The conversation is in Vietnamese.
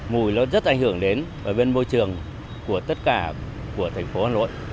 mùi nó rất ảnh hưởng đến bên môi trường của tất cả của thành phố hà nội